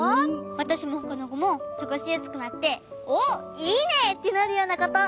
わたしもほかのこもすごしやすくなって「おっいいね！」ってなるようなこと。